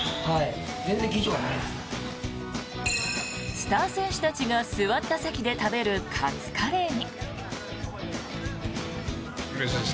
スター選手たちが座った席で食べるカツカレーに。